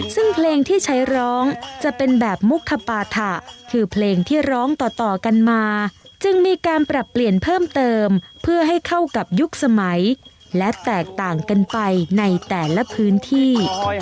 ซึ่งเพลงที่ใช้ร้องจะเป็นแบบมุคปาถะคือเพลงที่ร้องต่อกันมาจึงมีการปรับเปลี่ยนเพิ่มเติมเพื่อให้เข้ากับยุคสมัยและแตกต่างกันไปในแต่ละพื้นที่